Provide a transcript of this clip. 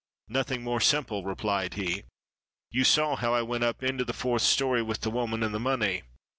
"Nothing more simple," replied he. "You saw how I went up into the fourth story with the woman and the money.